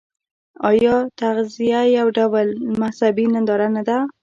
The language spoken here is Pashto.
آیا تعزیه یو ډول مذهبي ننداره نه ده؟